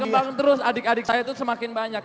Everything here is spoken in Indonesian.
berkembang terus adik adik saya itu semakin banyak